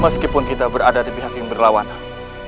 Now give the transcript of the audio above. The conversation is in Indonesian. meskipun kita berada di pihak yang berlawanan